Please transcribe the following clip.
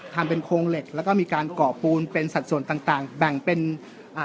ทำเป็นโครงเหล็กแล้วก็มีการก่อปูนเป็นสัดส่วนต่างต่างแบ่งเป็นอ่า